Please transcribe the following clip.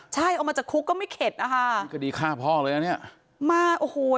จัดคุกก็ไม่เข็ดอะค่ะ